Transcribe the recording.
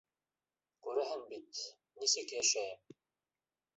Күрәһең бит, нисек йәшәйем.